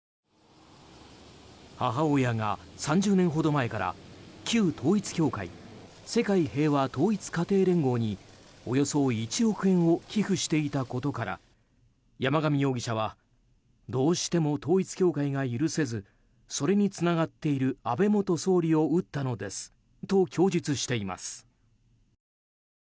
母親が３０年ほど前から旧統一教会世界平和統一家庭連合におよそ１億円を寄付していたことから山上容疑者はどうしても統一教会が許せずそれにつながってる安倍元総理を撃ったのですと供述しています。